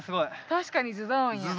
確かにズドンや。